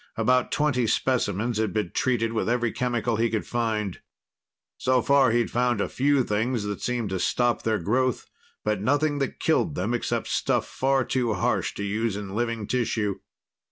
About twenty specimens had been treated with every chemical he could find. So far he'd found a few things that seemed to stop their growth, but nothing that killed them, except stuff far too harsh to use in living tissue.